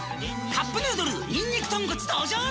「カップヌードルにんにく豚骨」登場！